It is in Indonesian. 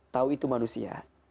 tahu itu manusia